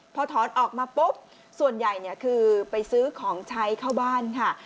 พอถอนออกมาปุ๊บส่วนใหญ่คือไปซื้อของใช้เข้าบ้านค่ะ